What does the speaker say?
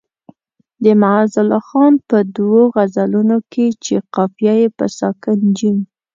د معزالله خان په دوو غزلونو کې چې قافیه یې په ساکن جیم.